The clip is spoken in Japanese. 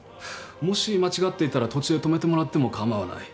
もし間違っていたら途中で止めてもらっても構わない。